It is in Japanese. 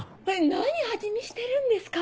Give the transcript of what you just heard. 何味見してるんですか